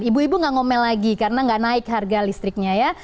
ibu ibu nggak ngomel lagi karena nggak naik harga listriknya ya